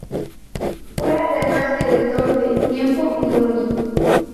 Fue además director de "Tiempo" y "Hoy".